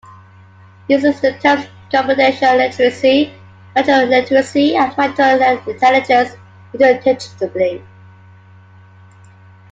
He uses the terms computational literacy, material literacy, and material intelligence interchangeably.